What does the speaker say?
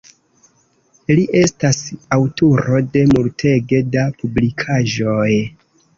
Li estas aŭtoro de multege da publikigaĵoj.